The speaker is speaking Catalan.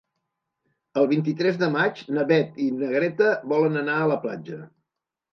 El vint-i-tres de maig na Beth i na Greta volen anar a la platja.